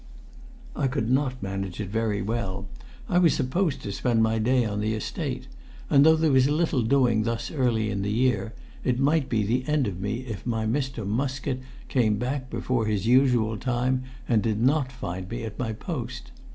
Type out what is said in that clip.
I could not manage it very well. I was supposed to spend my day on the Estate, and, though there was little doing thus early in the year, it might be the end of me if my Mr. Muskett came back before his usual time and did not find me at my post.